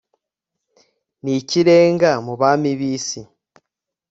n'ikirenga mu bami b'isi